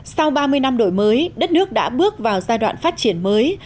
sau ba mươi năm đổi mới đất nước đã bước vào giai đoạn phát triển mới